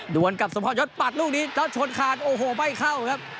วนกับสมพรยศปัดลูกนี้แล้วชนขาดโอ้โหไม่เข้าครับ